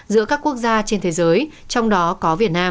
giữa các quốc gia trên thế giới trong đó có việt nam